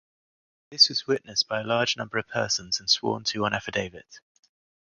This was witnessed by a large number of persons and sworn to on affidavit.